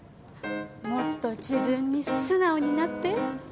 もっと自分に素直になって。